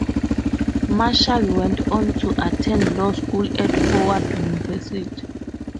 Marshall went on to attend law school at Howard University.